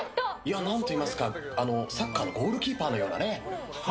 何といいますか、サッカーのゴールキーパーのような。